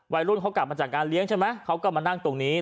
วัยรุ่นเขากลับมาจากงานเลี้ยงใช่ไหมเขาก็มานั่งตรงนี้